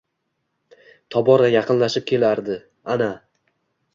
Tobora yaqinlab kelardi. Ana!